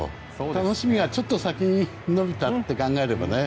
楽しみがちょっと先に延びたと考えればね。